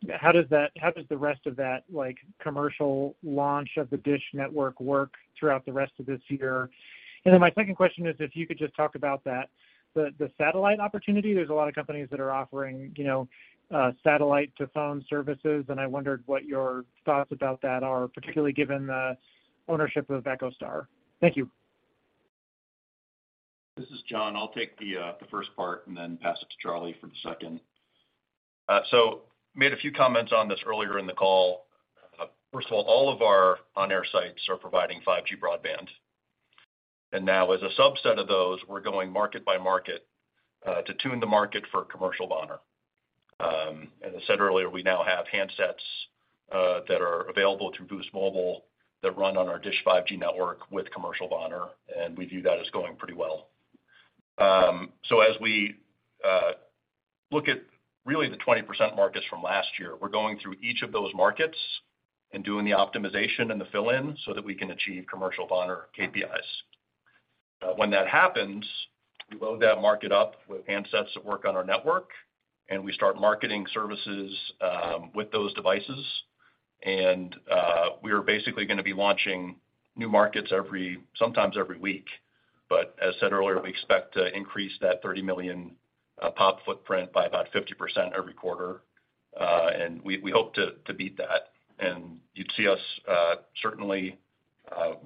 How does the rest of that like commercial launch of the DISH Network work throughout the rest of this year? My second question is if you could just talk about that the satellite opportunity. There's a lot of companies that are offering, you know, satellite to phone services, and I wondered what your thoughts about that are, particularly given the ownership of EchoStar. Thank you. This is John. I'll take the first part and then pass it to Charlie for the second. Made a few comments on this earlier in the call. First of all of our on-air sites are providing 5G broadband. Now as a subset of those, we're going market by market to tune the market for commercial VoNR. As I said earlier, we now have handsets that are available through Boost Mobile that run on our DISH 5G network with commercial VoNR, and we view that as going pretty well. As we look at really the 20% markets from last year, we're going through each of those markets and doing the optimization and the fill-in so that we can achieve commercial VoNR KPIs. When that happens, we load that market up with handsets that work on our network and we start marketing services with those devices. We are basically going to be launching new markets sometimes every week. As said earlier, we expect to increase that 30 million pop footprint by about 50% every quarter. We hope to beat that. You'd see us certainly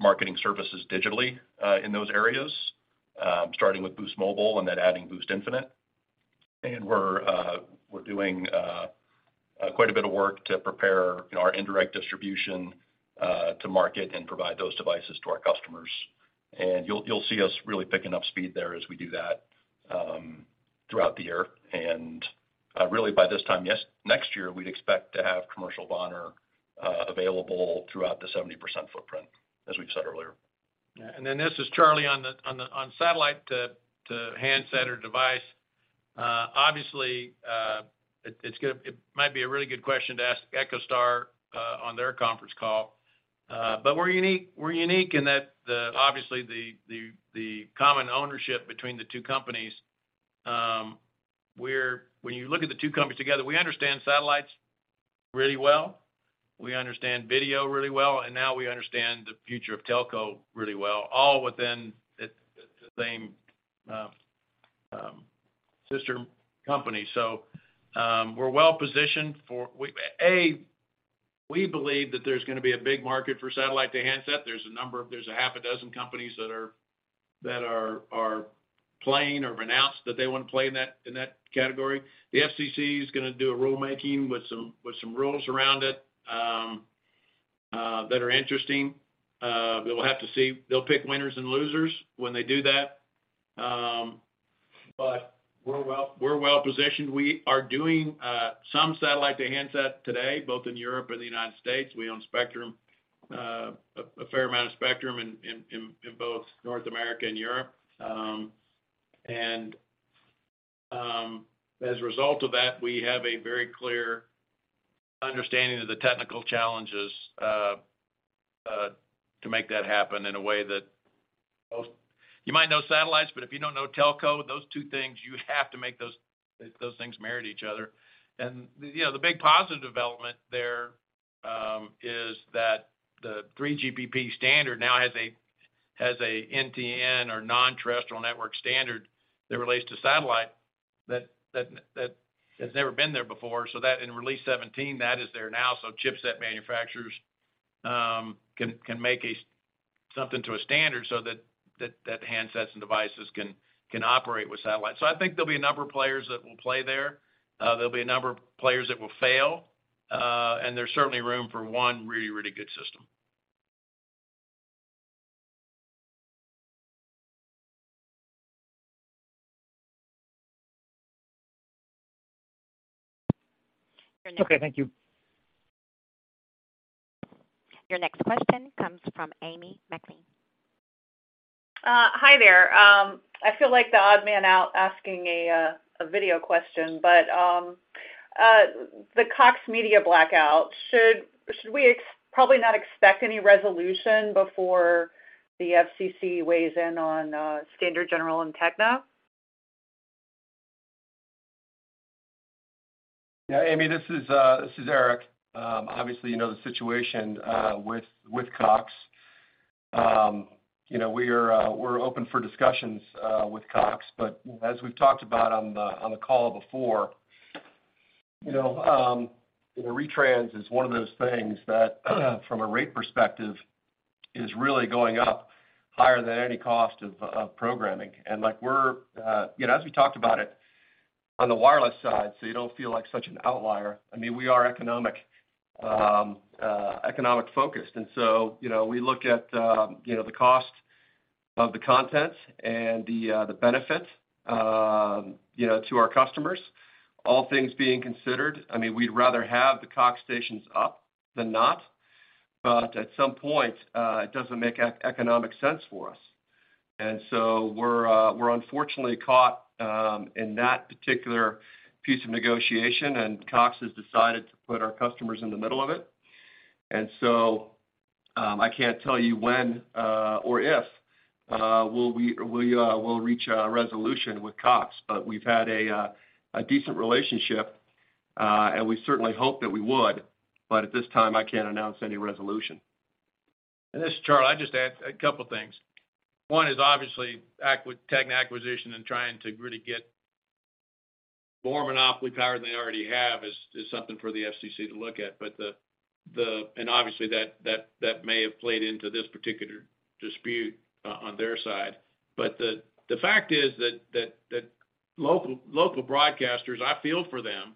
marketing services digitally in those areas, starting with Boost Mobile and then adding Boost Infinite. We're doing quite a bit of work to prepare our indirect distribution to market and provide those devices to our customers. You'll see us really picking up speed there as we do that. Throughout the year, and, really by this time next year, we'd expect to have commercial VoNR available throughout the 70% footprint, as we've said earlier. Yeah. This is Charlie on satellite to handset or device. Obviously, it might be a really good question to ask EchoStar on their conference call. We're unique in that obviously the common ownership between the two companies, when you look at the two companies together, we understand satellites really well. We understand video really well, and now we understand the future of telco really well, all within the same sister company. We're well positioned. We believe that there's gonna be a big market for satellite to handset. There's a half a dozen companies that are playing or have announced that they wanna play in that category. The FCC is gonna do a rulemaking with some rules around it that are interesting. We'll have to see. They'll pick winners and losers when they do that. We're well-positioned. We are doing some satellite to handset today, both in Europe and the United States. We own spectrum, a fair amount of spectrum in both North America and Europe. As a result of that, we have a very clear understanding of the technical challenges to make that happen in a way that most... You might know satellites, but if you don't know telco, those two things, you have to make those things married to each other. You know, the big positive development there is that the 3GPP standard now has a NTN or Non-Terrestrial Network standard that relates to satellite that has never been there before. That in Release 17, that is there now. Chipset manufacturers can make something to a standard so that handsets and devices can operate with satellites. I think there'll be a number of players that will play there. There'll be a number of players that will fail, and there's certainly room for one really, really good system. Your next- Okay. Thank you. Your next question comes from Amy Maclean. Hi there. I feel like the odd man out asking a video question. The Cox Media blackout. Should we probably not expect any resolution before the FCC weighs in on Standard General and TEGNA? Yeah. Amy, this is Erik. Obviously, you know the situation with Cox. You know, we are, we're open for discussions with Cox. As we've talked about on the call before, you know, the retrans is one of those things that, from a rate perspective, is really going up higher than any cost of programming. Like we're, you know, as we talked about it on the wireless side, so you don't feel like such an outlier. I mean, we are economic focused, and so, you know, we look at, you know, the cost of the content and the benefit, you know, to our customers. All things being considered, I mean, we'd rather have the Cox stations up than not, but at some point, it doesn't make economic sense for us. we're unfortunately caught in that particular piece of negotiation, and Cox has decided to put our customers in the middle of it. I can't tell you when or if we'll reach a resolution with Cox. we've had a decent relationship, and we certainly hope that we would. At this time, I can't announce any resolution. This is Charlie. I'll just add a couple things. One is obviously with TEGNA acquisition and trying to really get more monopoly power than they already have is something for the FCC to look at. Obviously, that, that may have played into this particular dispute on their side. The fact is that local broadcasters, I feel for them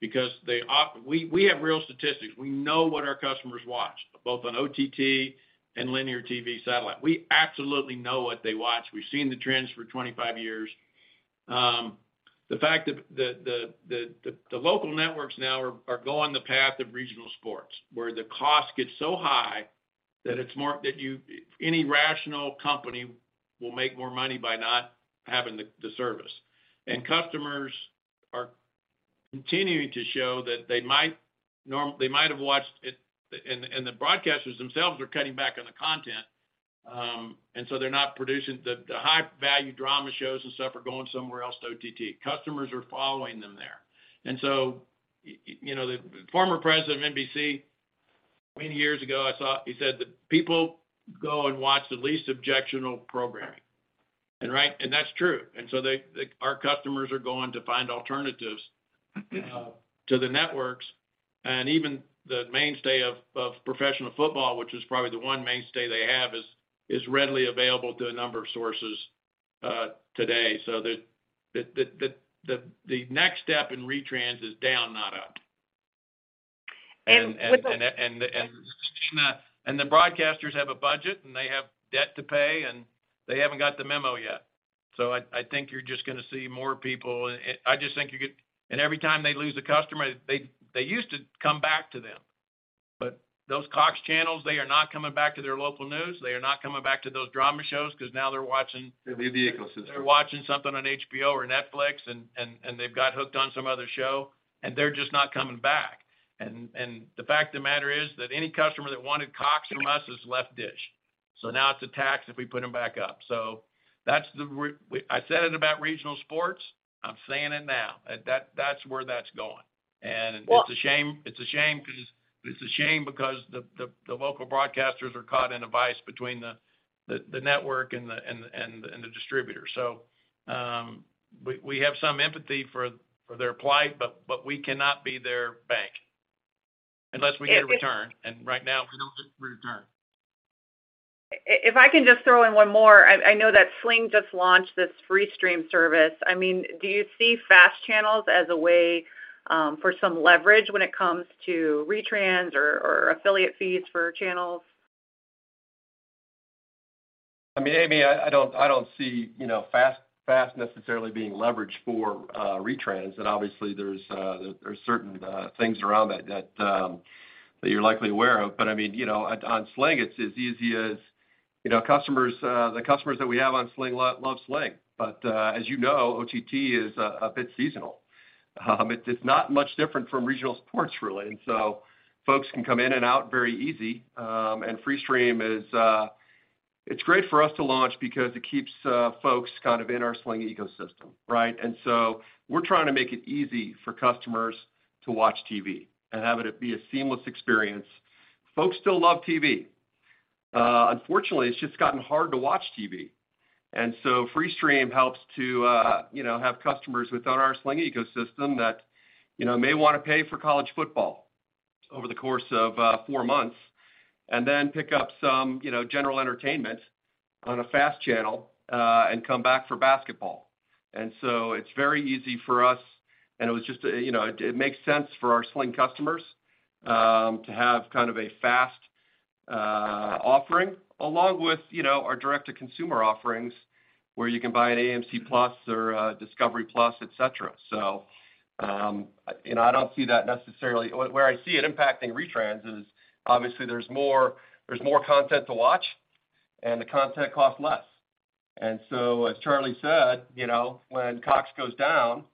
because they we have real statistics. We know what our customers watch, both on OTT and linear TV satellite. We absolutely know what they watch. We've seen the trends for 25 years. The fact that the local networks now are going the path of regional sports, where the cost gets so high that any rational company will make more money by not having the service. Customers are continuing to show that they might they might have watched it, and the broadcasters themselves are cutting back on the content, so they're not producing the high value drama shows and stuff are going somewhere else to OTT. Customers are following them there. So, you know, the former president of NBC, many years ago, I saw he said that people go and watch the least objectionable programming. Right? And that's true. So our customers are going to find alternatives to the networks. Even the mainstay of professional football, which is probably the one mainstay they have, is readily available to a number of sources today. The next step in retrans is down, not up. The broadcasters have a budget, and they have debt to pay, and they haven't got the memo yet. I think you're just gonna see more people. I just think you could. Every time they lose a customer, they used to come back to them. Those Cox channels, they are not coming back to their local news. They are not coming back to those drama shows because now they're watching. The new ecosystem. They're watching something on HBO or Netflix and they've got hooked on some other show, and they're just not coming back. The fact of the matter is that any customer that wanted Cox from us has left DISH. Now it's a tax if we put them back up. That's the I said it about regional sports, I'm saying it now. That's where that's going. It's a shame. It's a shame because the local broadcasters are caught in a vice between the network and the distributor. We have some empathy for their plight, but we cannot be their bank unless we get a return. Right now, we don't get return. If I can just throw in one more. I know that Sling just launched this Freestream service. I mean, do you see FAST channels as a way for some leverage when it comes to retrans or affiliate fees for channels? I mean, Amy, I don't see, you know, FAST necessarily being leveraged for retrans. Obviously there's certain things around that you're likely aware of. I mean, you know, on Sling it's as easy as, you know, customers, the customers that we have on Sling love Sling. As you know, OTT is a bit seasonal. It's not much different from regional sports, really. Folks can come in and out very easy. FreeStream is, it's great for us to launch because it keeps folks kind of in our Sling ecosystem, right? We're trying to make it easy for customers to watch TV and have it be a seamless experience. Folks still love TV. Unfortunately, it's just gotten hard to watch TV. Freestream helps to, you know, have customers within our Sling ecosystem that, you know, may wanna pay for college football over the course of, four months and then pick up some, you know, general entertainment on a FAST channel, and come back for basketball. It's very easy for us, and it was just, you know, it makes sense for our Sling customers, to have kind of a FAST, offering along with, you know, our direct-to-consumer offerings where you can buy an AMC+ or a discovery+, et cetera. You know, I don't see that necessarily. Where I see it impacting retrans is obviously there's more, there's more content to watch and the content costs less. As Charlie said, you know, when Cox goes down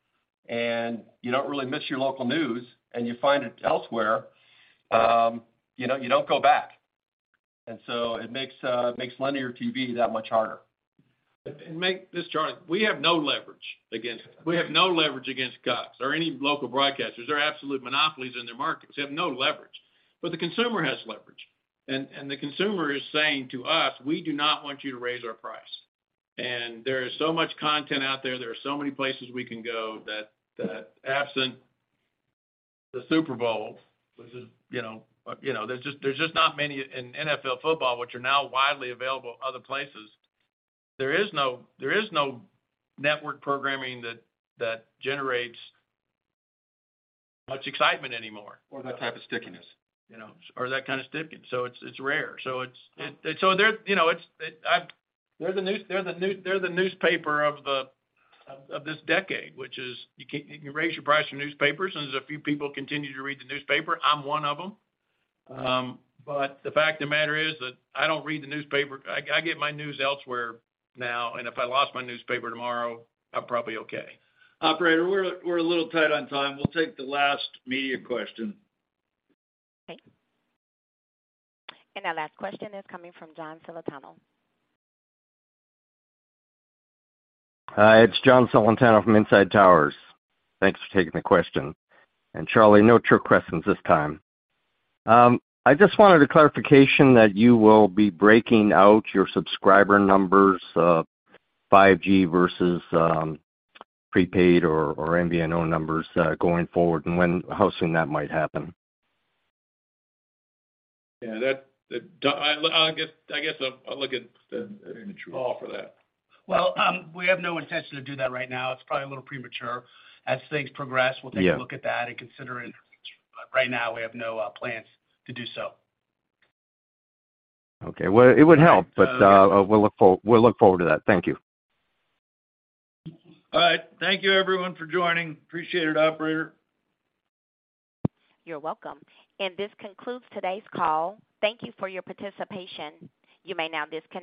and you don't really miss your local news and you find it elsewhere, you know, you don't go back. It makes linear TV that much harder. This is Charlie. We have no leverage against Cox or any local broadcasters. They're absolute monopolies in their markets. We have no leverage, but the consumer has leverage. The consumer is saying to us, "We do not want you to raise our price." There is so much content out there. There are so many places we can go that absent the Super Bowl, which is, you know, there's just not many in NFL football, which are now widely available other places. There is no, there is no network programming that generates much excitement anymore. That type of stickiness. You know, or that kind of stickiness. It's, it's rare. They're, you know, They're the newspaper of the, of this decade, which is, you can, you can raise your price for newspapers. There's a few people continue to read the newspaper. I'm one of them. The fact of the matter is that I don't read the newspaper. I get my news elsewhere now. If I lost my newspaper tomorrow, I'm probably okay. Operator, we're a little tight on time. We'll take the last media question. Okay. Our last question is coming from John Celentano. Hi, it's John Celentano from Inside Towers. Thanks for taking the question. Charlie, no trick questions this time. I just wanted a clarification that you will be breaking out your subscriber numbers of 5G versus prepaid or MVNO numbers going forward, and how soon that might happen? Yeah, I guess, I'll look at Paul for that. We have no intention to do that right now. It's probably a little premature. As things progress. Yeah. We'll take a look at that and consider it. Right now, we have no plans to do so. Okay. Well, it would help, but we'll look forward to that. Thank you. All right. Thank you everyone for joining. Appreciate it, operator. You're welcome. This concludes today's call. Thank you for your participation. You may now disconnect.